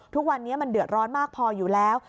ทุกวันนี้มันเดือดร้อนมากพออยู่แล้ว